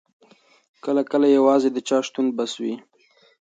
کله کله یوازې د چا شتون بس وي.